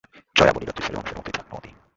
জয়া বলিল, তুই ছেলেমানুষের মতোই থাক না মতি!